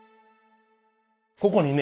ここにね